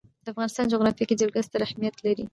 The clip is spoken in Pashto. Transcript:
د افغانستان جغرافیه کې جلګه ستر اهمیت لري.